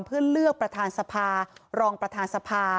เพื่อเลือกประธานสภารองประธานสภา